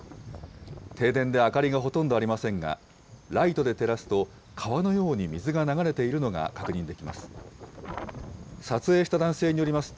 停電で明かりがほとんどありませんが、ライトで照らすと、川のように水が流れているのが確認できます。